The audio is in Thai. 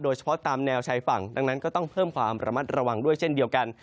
เฉพาะตามแนวชายฝั่งดังนั้นก็ต้องเพิ่มความระมัดระวังด้วยเช่นเดียวกัน